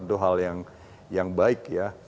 itu hal yang baik